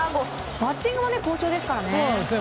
バッティングも好調ですからね。